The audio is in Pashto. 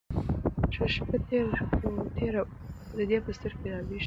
شپه تېره وه خو د ده په سترګو کې لا وېښه وه.